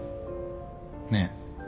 ねえ？